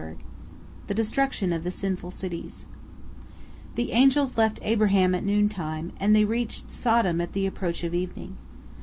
THE DESTRUCTION OF THE SINFUL CITIES The angels left Abraham at noon time, and they reached Sodom at the approach of evening.